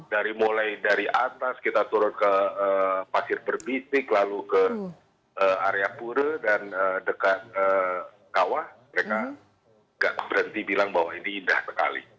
dari mulai dari atas kita turun ke pasir berbitik lalu ke area pura dan dekat kawah mereka tidak berhenti bilang bahwa ini indah sekali